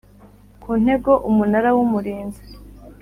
Ku ntego umunara w umurinzi